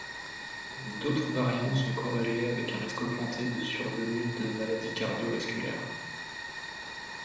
D'autres variants sont corrélés avec un risque augmenté de survenue de maladies cardio-vasculaires.